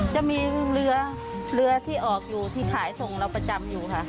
จะมีเรือเรือที่ออกอยู่ที่ขายส่งเราประจำอยู่ค่ะ